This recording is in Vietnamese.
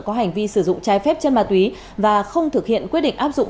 có hành vi sử dụng trái phép chân ma túy và không thực hiện quyết định áp dụng